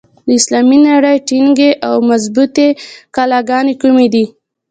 د اسلامي نړۍ ټینګې او مضبوطي کلاګانې کومي دي؟